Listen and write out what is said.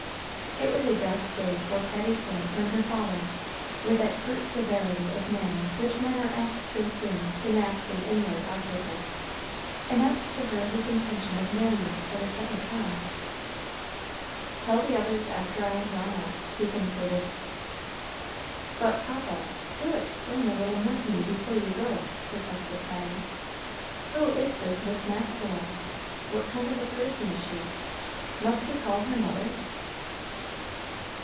It was a dark day for Patty Flint when her father, with that curt severity of manner which men are apt to assume to mask an inward awkwardness, announced to her his intention of marrying for the second time. "Tell the others after I am gone out," he concluded. "But, Papa, do explain a little more to me before you go," protested Patty. "Who is this Miss Maskelyne? What kind of a person is she? Must we call her mother?"